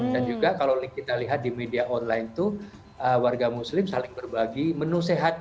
dan juga kalau kita lihat di media online itu warga muslim saling berbagi menu sehat